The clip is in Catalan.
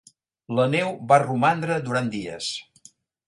La neu va romandre durant dies.